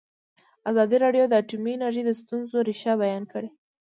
ازادي راډیو د اټومي انرژي د ستونزو رېښه بیان کړې.